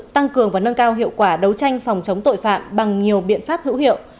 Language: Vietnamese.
tăng cường và nâng cao hiệu quả đấu tranh phòng chống tội phạm bằng nhiều biện pháp hữu hiệu